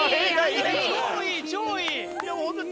超いい超いい！